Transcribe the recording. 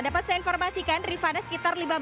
dapat saya informasikan rifara sekitar lima belas